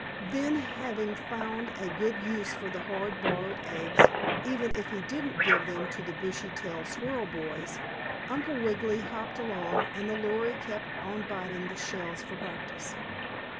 Then, having found a good use for the hard boiled eggs, even if he didn't give them to the Bushytail squirrel boys, Uncle Wiggily hopped along, and the Lory kept on biting the shells for practice.